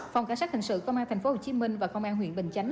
phòng cảnh sát hình sự công an thành phố hồ chí minh và công an huyện bình chánh